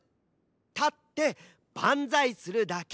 たってバンザイするだけ。